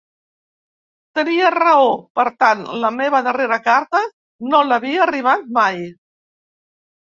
Tenia raó, per tant, la meva darrera carta no l'havia arribat mai.